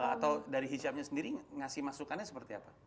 atau dari hijabnya sendiri ngasih masukannya seperti apa